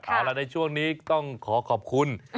เอาล่ะในช่วงนี้ต้องขอขอบคุณ